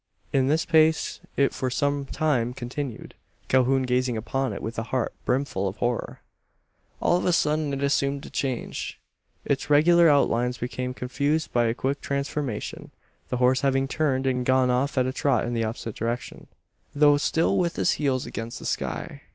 In this pace it for some time continued Calhoun gazing upon it with a heart brimful of horror. All of a sudden it assumed a change. Its regular outlines became confused by a quick transformation; the horse having turned, and gone off at a trot in the opposite direction, though still with his heels against the sky!